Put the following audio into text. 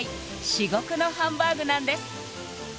至極のハンバーグなんです